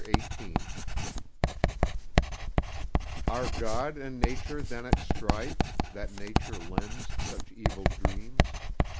XVIII Are God and Nature then at strife, That Nature lends such evil dreams?